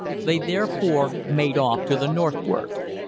They, therefore, made off to the northward.